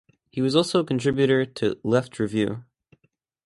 He was also a contributor to "Left Review".